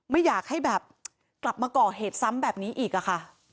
ไม่อยากให้แบบกลับมาก่อเหตุซ้ำแบบนี้อีกอะค่ะ